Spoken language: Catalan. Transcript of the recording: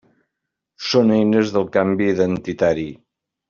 Són eines del canvi identitari.